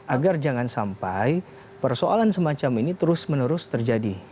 agar jangan sampai persoalan semacam ini terus menerus terjadi